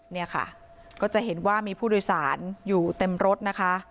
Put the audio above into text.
เนี่ยค่ะก็จะเห็นว่ามีผู้โดยสารอยู่เต็มรถนะคะ